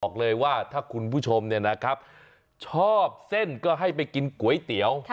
บอกเลยว่าถ้าคุณผู้ชมชอบเส้นก็ให้ไปกินก๋วยเตี๋ยว